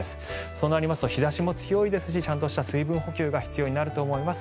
そうなりますと日差しも強いですしちゃんとした水分補給が必要になると思います。